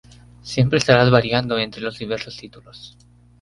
Siempre estarás variando entre los diversos títulos.